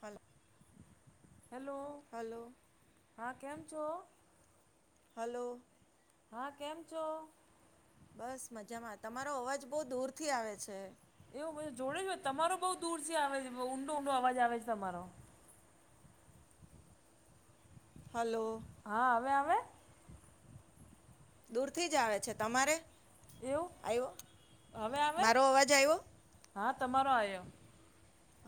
હાલ hello hello હા કેમ છો હલો હા કેમ છો બસ મજામાં તમારો અવાજ બહુ દૂરથી આવે છે એવું બધું જોડે હો તમારો બહુ દૂરથી આવે છે ઊંડો ઊંડો આવે છે તમારો હલો હા હવે આવે દૂરથી જ આવે છે તમારે એવું આવ્યો હવે આવે મારો અવાજ આવ્યો હા તમારો આયો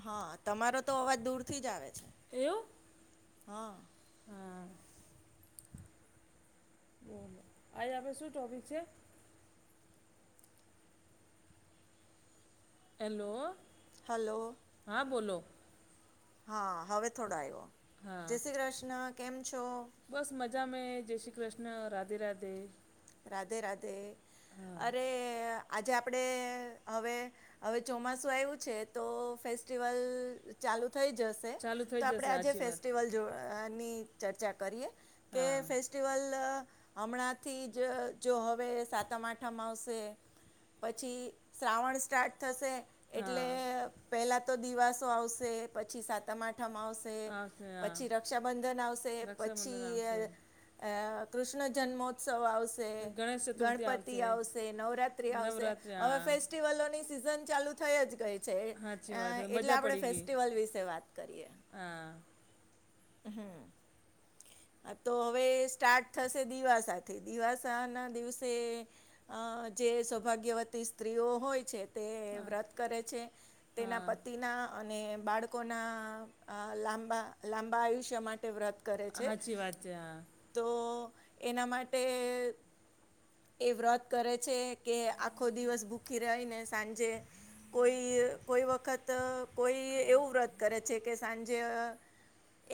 હા તમારો તો અવાજ દૂરથી જ આવે છે એવું હા હા આજે આપણે શું ટોપિક છે હેલો હલો હા બોલો હા હવે થોડો આવ્યો હા જય શ્રી કૃષ્ણ કેમ છો બસ મજા મે જય શ્રી કૃષ્ણ રાધે રાધે રાધે રાધે હા અરે આજે આપડે હવે હવે ચોમાસું આવ્યુ છે તો ફેસ્ટિવલ ચાલુ થઈ જશે ચાલુ થઈ તો જશે આપડે આજે સાચી વાત ફેસ્ટિવલ જોવા ની ચર્ચા કરીએ કે હા ફેસ્ટિવલ હમણાંથી જો જો હવે સાતમ આઠમ આવશે પછી શ્રાવણ સ્ટાર્ટ થશે એટલે હા પહેલાં તો દિવાસો આવશે પછી સાતમ આઠમાં આવશે આવશે હા પછી રક્ષાબંધન આવશે રક્ષાબંધન પછી આવશે અ કૃષ્ણ જન્મોત્સવ આવ ગણેશ ચતુર્થી ગણપતિ આવશે નવરાત્રી આવશે નવરાત્રિ હવે ફેસ્ટિવલ હા ફેસ્ટિવલોની સિઝન ચાલુ થઈ જ ગઈ છે સાચી વાત એટલે અ મજા આપણે પડી ગઈ ફેસ્ટિવલ વિશે વાત કરીએ હા હમ હ તો હવે સ્ટાર્ટ થાશે દિવાસાથી દિવાસાના દિવસે અ જે સૌભાગ્યવતી સ્ત્રીઓ હોય છે તે હા વ્રત કરે છે તેના હા પતિના અને બાળકોના અ લાંબા લાંબા આયુષ્ય માટે વ્રત કરે છે હાચી વાત છે હા તો એના માટે એ વ્રત કરે છે કે આખો દિવસ ભૂખી રહીને સાંજે કોઈ કોઈ વખત કોઈ એવું વ્રત કરે છે કે સાંજે અ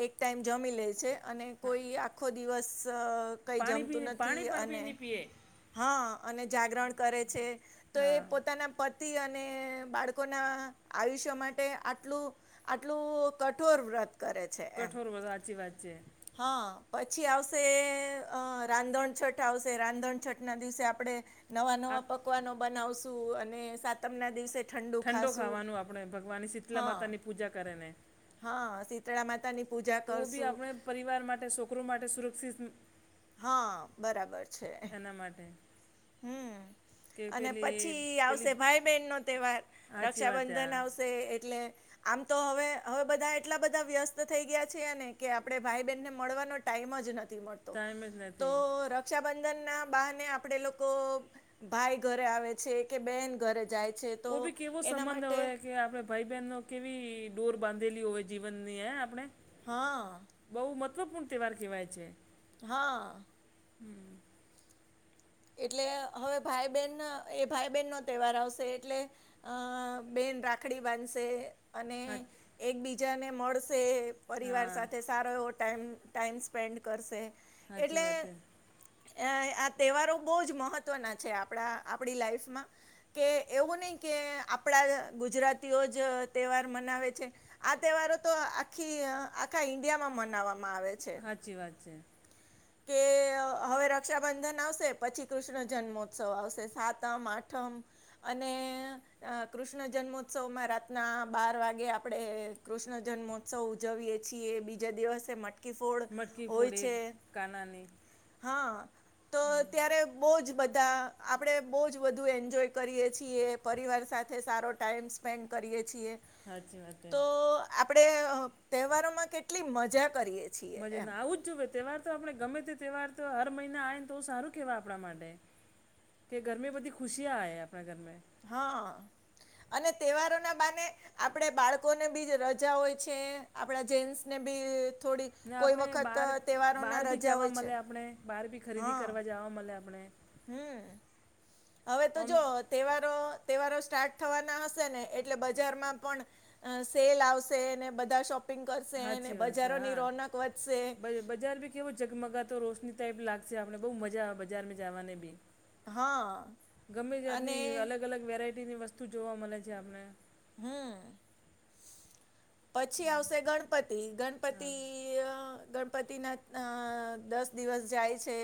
એક ટાઈમ જમી લે છે અને કોઈ આખો દિવસ અ કંઈ પાણી જમતું પી પાણી નથી પણ પી અને નહીં પીએ હા અને જાગરણ કરે છે તો એ હા પોતાના પ તી અને બાળકોના આયુષ્ય માટે આટલું આટલું કઠોર વ્રત કરે છે. એમ કઠોર વ્રત હાચી વાત છે. હા પછી આવશે અ રાંધણછઠ આવશે રાંધણછઠના દિવસે આપડે નવા આ નવા પકવાનો બનાવશું અને સાતમ ના દિવસે ઠંડુ ઠંડો ખાશું ખાવાનું આપણે ભગવાન શીતલા હા માતાની પૂજા કરે ને હા શીતળા માતા ની હું બી આપણે પરિવાર માટે છોકરો માટે સુરક્ષિત હા બરાબર છે એના માટે હમ્મ. કે અને પેલી પછી પેલી આવશે ભાઈ બહેન નો તહેવાર સાચી વાત છે રક્ષાબંધન હા આવશે એટલે આમ તો હવે હવે બધા એટલા બધા વ્યસ્ત થઈ ગયા છેને કે આપડે ભાઈ ને મળવાનો ટાઈમ જ નથી હોતો ટાઈમ જ નથી. રક્ષાબંધન ના બહાને આપડે લોકો ભાઈ ઘરે આવે છે કે બેન ઘરે જાય છે તો ઓ બી કેવો એના સંબંધ માટે હોય કે આપણે ભાઈ બહેન નો કેવી ડોર બાંધેલી હોવે જીવનની હે આપણે હા. બહુ મહત્વપૂર્ણ તહેવાર કહેવાય છે. હા. હમ્મ. એટલે હવે ભાઈ બહેન એ ભાઈ બહેનનો તહેવાર આવશે એટલે અ બેન રાખડી બાંધશે અને હા એકબીજાને મળશે પરિવાર હા સાથે સારો એવો ટાઈમ ટાઈમ સ્પેન્ડ કરશે સાચી એટલે વાત છે અ આ તહેવારો બહું જ મહત્વના છે આપણા આપડી લાઈફમાં કે એવું નહીં કે આપણા ગુજરાતીઓ જ તહેવાર મનાવે છે આ તહેવારો તો આખી આખા ઈન્ડિયામાં મનાવવામાં આવે છે. હાચી વાત છે. કે હવે રક્ષાબંધન આવશે પછી કૃષ્ણ જન્મોત્સવ આવશે સાતમ આઠમ અને આ કૃષ્ણ જન્મોત્સવમાં રાતના બાર વાગે આપડે કૃષ્ણ જન્મો ઉત્સવ ઉજવીય છીએ બીજા દિવસે મટકી ફોડ મટકી હોય ફોડે છે કાનાની હા તો ત્યારે બહુ જ બધા આપણે બહુ જ બધું એન્જોય કરીએ છીએ પરિવાર સાથે સારો ટાઈમ સ્પેન્ડ કરીએ છીએ. હાચી વાત હે આપડે અ તહેવારોમાં કેટલી મજા કરીએ છીએ એમ મજા આવું જ જોવે તહેવાર તો આપડે ગમે તે તહેવાર તો હર મહિના આવે ને તો સારું કેહેવાય આપણા માટે કે ઘરમે બધી ખુશિયા આયે આપણા ઘરમેં હા અને તહેવારોના બાને આપડે બાળકોને બી રજા હોય છે આપડા જેન્ટસને બી થોડીક ને આપણે બહાર બહાર ભી જવા હોય છે મળે આપણે બહાર ભી ખરીદી હા કરવા જવા મળે આપણે હમ હવે તો આમ જો તેહવારો તેહવારો સ્ટાર્ટ થવાના હશે ને એટલે બજારમાં પણ અ સેલ આવશે ને, બધા શોપિંગ કરશેને, સાચી વાત છે બજારોની હા રોનક વધશે બ બજાર ભી કેવો જગમગાતો રોશની ટાઈપ લાગશે આપણે બહઉ મજા આવે બજારમાં જાવાને બી હા ગમે જાતની અને અલગ-અલગ વેરાયટીની વસ્તુ જોવા મલે છે આપને હમ પછી આવશે ગણપતિ, હા ગણપતિ અ પતિના દસ દિવસ જાય છે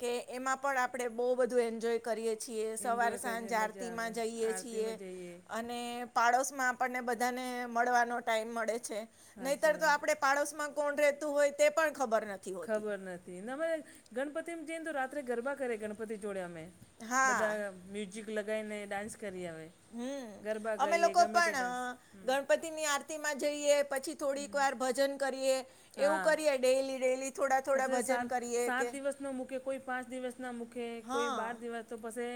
કે એમાં પણ આપણે બહુ બધું એન્જોય કરીએ છીએ સવાર એન્જોય કરે છે સાંજ મજા આવે આરતીમાં જઈએ છીએ આરતીમાં જઈએ અને ને પાડોશમાં આપણને બધાને મળવાનો ટાઈમ મળે છે સાચી નહીતર તો વાત આપડે પડોશમાં કોણ રહેતું હોય તેપણ ખબર ન ખબર નથી ન મેં ગણપતિમ જઈન તો રાત્રે ગરબા કરે ગણપતિ જોડે અમે. હા બધા મ્યુઝિક લગાઈને ડાન્સ કરી આવે. હમ્મ અમે લોકો પણ અહ હમ ગણપતિની આરતીમાં જઈએ પછી થોડીક વાર ભજન કરીએ એવું કરીએ ડેઇલી ડેઇલી. પસે સાત સાત દિવસ નું મૂકે કોઈ પાંચ દિવસ ના મૂકે કોઈ બાર હા દિવસ તો પસે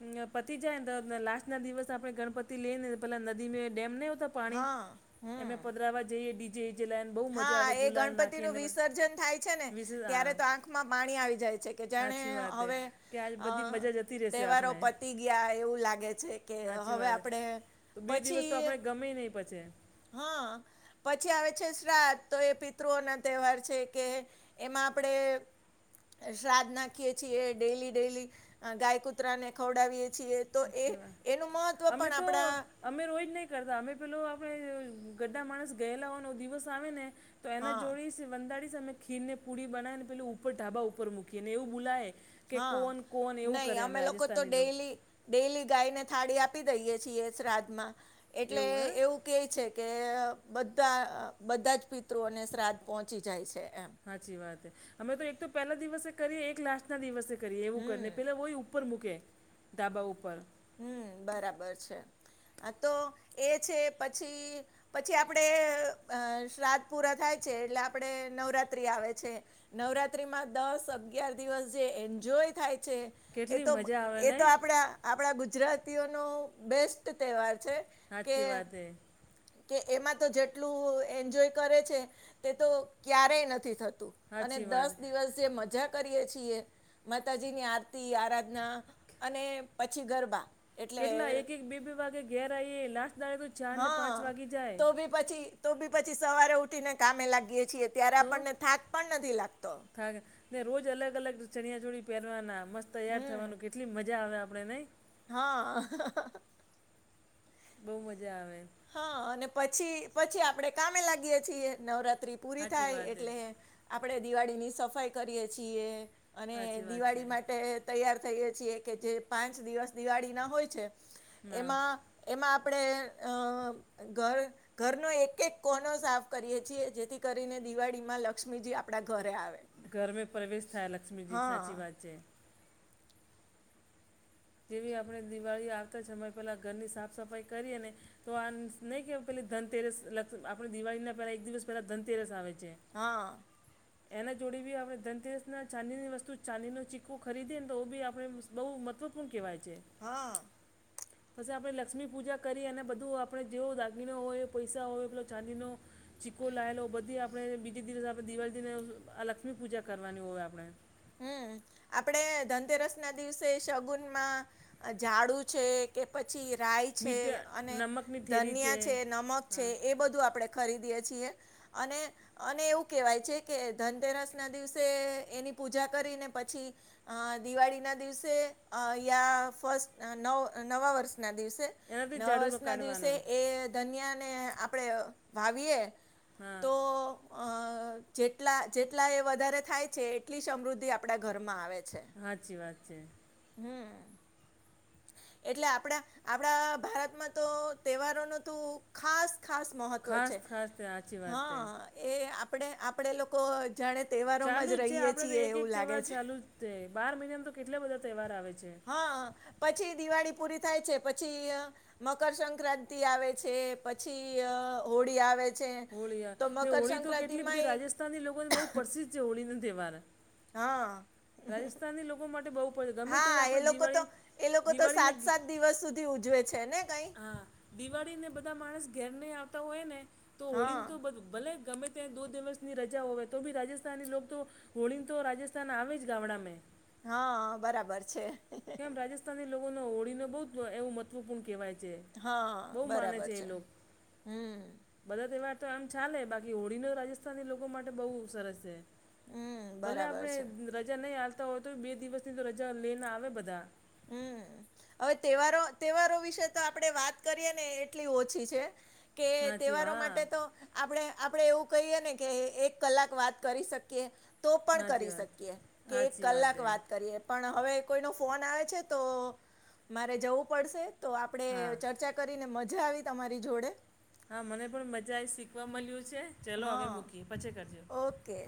અમ્મ પતી જાયને તો લાસ્ટના દિવસ આપણે ગણપતિ લઈને પેલા નદીમેં ડેમ નહીં હોતો પાણી હા એમે હમ પધારવા જઈએ ડીજે ઇજે લઈન હા, એ ગણપતિનું વિસર્જન થાય છે ને વિશે ત્યારે હા તો આંખમાં પાણી આવી જાય છે કે જેણે સાચી વાત છે હવે કે આજ બધી અહ મજા જતી રહેશે તહેવારો આપણે પત તી ગયા એવું લાગે છે કે સાચી હવે વાત છે. આપડે તો બે દિવસ તો આપડે ગમેય નહી પછે. હા, પછી આવે છે રાત તો એ પિતૃઓના તહેવાર છેકે એમાં આપડે શ્રાદ્ધ નાખીએ છીએ ડેઈલી-ડેઈલી ગાય, કૂતરાને ખવડાવીએ છીએ. તો એ સાચી વાત. એનું મહત્ત્વ અમે પણ તો આપડા અમે રોયજ નહી કરતા અમે પેલો આપડે ગદ્દા માણસ ગયેલા હોનો દિવસ આવે ને તો એના હા જોડીસ વંદાડીશ અમે ખીર ને પૂડી બનાવીને પેલુ ઉપર ઢાબા ઉપર મૂકી ને એવું બૂલાય કે હા કોન કોન એવું નહીં કરે અમે લોકો તો રાજસ્થાની લો ડેઈલી ડેઈલી ગાયને થાળી આપી દઈએ છીએ શ્રાદ્ધમાં એટલે એવું કેય છે કે બધા બધા જ પિતૃઓને શ્રાદ્ધ પહોંચી જાય છે એમ. હાચી વાત હ. અમે તો એક તો પેલા દિવસે કરીએ એક લાસ્ટના દિવસે કરીએ એવું કરીને હમ પેલો હોયુ ઉપર મૂકે ધાબા ઉપર. હમ્મ, બરાબર છે. હા તો એ છે પછી પછી આપડે અહ શ્રાદ્ધ પુરા થાય છે એટલે આપડે નવરાત્રિ આવે છે. નવરાત્રીમાં દસ, અગિયાર દિવસ જે એન્જોય થાય છે. એ કેટલી તો મજા આવે એ તો નહીં આપડા આપડા ગુજરાતીઓનો બેસ્ટ તહેવાર છે કે સાચી વાત હે કે એમાં તો જેટલું એન્જોય કરે છે તેતો ક્યારેય નથી થતું. અને સાચી દસ વાત દિવસ જે મજા કરીએ છીએ માતાજીની આરતી, આરાધના અને પછી ગરબા એટલે કેટલા એક-એક, બે-બે વાગે ઘેર આવીએ લાસ્ટ દાડે તો ચાર ને હા પાંચ વાગી જાય. તો બી પછી તો બી પછી સવારે ઉઠીને કામે લાગીએ છીએ ત્યારે આપણને થાક પણ નથી લાગતો. થગ ને રોજ અલગ અલગ ચણિયાચોળી પેરવાના મસ્ત તૈયાર હમ થવાનું કેટલી મજા આવે આપડે નઇ. હા. બોવ મજા આવે. હ અને પછી પછી આપડે કામે લાગીએ છીએ નવરાત્રી પૂરી સાચી થાય વાત છે એટલે આપડે દિવાડીની સફાઈ કરીએ છીએ અને સાચી વાત છે દિવાડી માટે તૈયાર થઈએે છીએ કે જે પાંચ દિવસ દિવાડીના હોય છે ના એમાં એમાં આપળે અહ ઘર ઘરનો એક એક કોનો સાફ કરીએે છીએ જેથી કરીને દીવાડી માં લક્ષ્મીજી આપડા ઘરે આવે. ઘરમે પ્રવેશ થાય લક્ષ્મીજી સાચી હા વાત છે જેવી આપણે દિવાળી આવતા જ સમય પેલા ઘરની સાફ સફાઈ કરી અને તો આન્સ નઈ કે પેલી ધનતેરસ લક્સ આપણ દિવાળી ના પેલા એક દિવસ પેલા ધનતેરસ આવે છે. હા એના જોડે ભી આપણે ધનતેરસ ના ચાંદીનીની વસ્તુ ચાંદીનો ચીક્કો ખરીદીએ ન તો બી આપણે બઉ મત્વપૂણ કેવાય છે હા પસી આપણે લક્ષ્મી પૂજા કરી અને બધું આપણે જેવો દાગીનો ઓય પોઈસા ઓય પેલો ચાંદીનો ચીક્કો લાયેલો બધી આપણેે બીજી જ દિવસ આપણે દિવાડીને આ લક્ષ્મી પૂજા કરવાની ઓય આપણે હ આપડે ધનતેરસના દિવસે સગુનમાં ઝાડુ છે કે પછી રાય છે મીઠા અને નમકની થેલી ધનીયા છે નમક છે હા એ બધું આપડે ખરીદીએ છીએ અને અને એવું કેવાય છે કે ધનતેરસ ના દિવસે સે એની પૂજા કરીને પછી અહ દિવાળીના દિવસે અહ અઈયા ફસ્ટ આ નવ નવા વર્ષના દિવસે એનાથી નવા ઝાડુનો વર્ષ ના દિવસે કાઢવાનો એ ધનિયાને આપળે અ વાવીએ હા તો અહ જેટલા જેટલા એ વધારે થાય છે એટલી સમૃદ્ધિ આપડા ઘરમાં આવે છે હાચી વાત છે હમ્મ એટલે આપડા આપડા ભારતમાં તો તેહેવારોનું તુ ખાસ ખાસ મહત્ત્વ ખાસ છે ખાસ તે સાચી હ વાત તે એ આપડે આપડે લોકો જાણે તેહેવારોમાં ચાલુ જ છે રહીએ આપણે તો છીએ એક એક એવું લાગે તહેવાર છે. ચાલુ જ તે બાર મઈનામાં તો કેટલા બધા તેહેવાર આવે છે હ પછી દિવાળી પૂરી થાય છે પછી મકરસક્રાંતિ આવે છે પછી અહ હોડી આવે છે હોલી યાર તો ને હોળી તો કેટલી બધી મકરસંક્રાંતિમાંય રાજસ્થાની લોકો તો બોવ પરસિદ્ધ જેવું હોલીના તેહેવાર હા રાજસ્થાની લોકો માટે બઉ પોયલ ગમે તે હા એ આપણે લોકો તો દિવાળી એ લોકો તો દિવાળીને સાત ગી સાત દિવસ સુધી ઉજવે છે ને કઈ હા દિવાળીને બધા માણસ ઘેરની આવતા ઓયને તો હોલીન હા તો બધુ ભલે ગમે ત્યાં દો દિવસની રજા ઓવે તો બી રાજસ્થાની લોક તો હોલીન તો રાજસ્થાન આવેજ ગામડા મેં હ બરાબર છે કેમ રાજસ્થાની લોકોનો ઓળીને બોવ જ એવું મત્વપૂન કેવાય છે હા બહુ માને બરાબર એ છે લોકો હમ્મ બધા તેહેવાર તો આમ ચાલે બાકી હોળીનો રાજસ્થાની લોકો માટે બોઉ સરસ સે હમ ભલે બરાબર આપડે છે રજા નઈ આલતા ઓય તો બે દિવસની તો રજા લેને આવે બધા હમ્મ હવે તહેવારો તહેવારો વિશે તો આપડે વાત કરીએ ને એટલી ઓછી છે કે સાચી તહેવારો હા માટે તો આપણે આપડે એવું કહીએ ને કે એક કલાક વાત કરી શકીએ તો પણ સાચી કરી વાત શકીએ કે એક સાચી કલાક એ વાત કરીએ પણ હવે કોઈનો ફોન આવે છે તો મારે જવું પડશે તો આપણે હા ચર્ચા કરીને મજા આવી તમારી જોડે હા મને પણ મજા આયી શીખવા મલ્યું છે ચલો હવે હા મૂકીએ પછી કરજો ઓકે